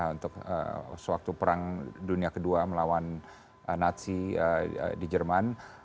untuk sewaktu perang dunia kedua melawan natsi di jerman